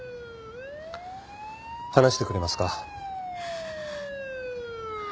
話してくれますか？